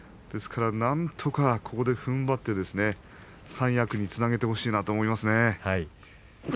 なんとかここでふんばって三役につなげてほしいと思いますね。